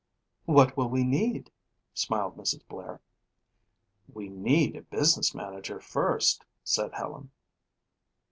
"What will we need?" smiled Mrs. Blair. "We need a business manager first," said Helen.